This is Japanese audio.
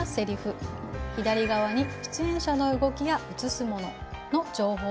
左側に出演者の動きや映すものの情報を書きます。